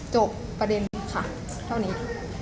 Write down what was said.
จบประเด็นค่ะเท่านี้